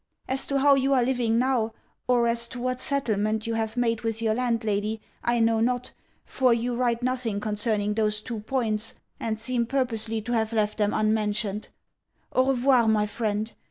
As to how you are living now, or as to what settlement you have made with your landlady, I know not, for you write nothing concerning those two points, and seem purposely to have left them unmentioned. Au revoir, my friend.